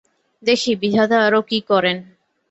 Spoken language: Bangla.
দেখি, বিধাতা আরো কি করেন।